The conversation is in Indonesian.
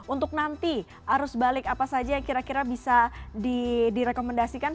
untuk nanti arus balik apa saja yang kira kira bisa direkomendasikan